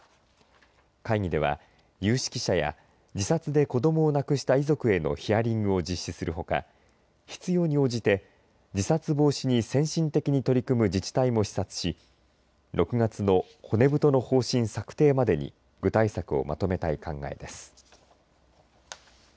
会議では、有識者や自殺で子どもを亡くした遺族へのヒアリングを実施するほか必要に応じて自殺防止に先進的に取り組む自治体も視察し６月の骨太の方針策定までに具体策をまとめたい考えです。